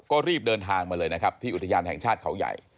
ก็รีบเดินทางมาเลยนะครับที่อุทยานแห่งชาติเขาใหญ่